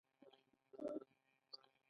عیارانو د خارجي یرغلګرو پر ضد مبارزه کوله.